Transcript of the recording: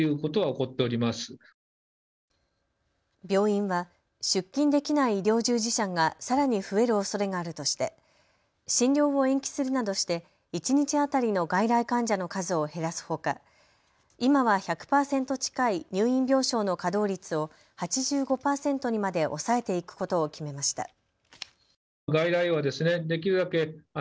病院は出勤できない医療従事者がさらに増えるおそれがあるとして診療を延期するなどして一日当たりの外来患者の数を減らすほか今は１００％近い入院病床の稼働率を８５％にまで抑えていくことを決めました。